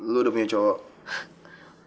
lo udah punya cowok